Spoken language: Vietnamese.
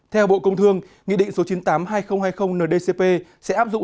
theo bộ công thương nghị định số chín trăm tám mươi hai nghìn hai mươi ndcp sẽ áp dụng